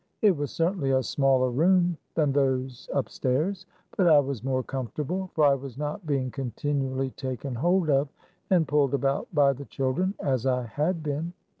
It was cer tainly a smaller room than those upstairs ; but I was more comfortable ; for I was not being con tinually taken hold of and pulled about by the children, as I had been.